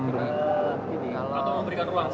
atau memberikan ruang